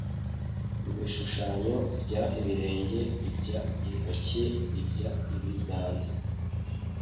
ibishushanyo by ibirenge iby intoki iby ibiganza